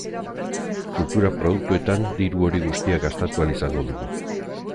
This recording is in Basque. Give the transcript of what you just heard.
Kultura produktuetan diru hori guztia gastatu ahal izango dugu.